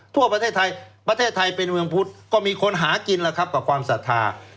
ทั่วประเทศไทยประเทศไทยเป็นเมืองพุทธก็มีคนหากินแล้วครับกับความศรัทธา